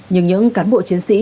nhưng những cán bộ chiến sĩ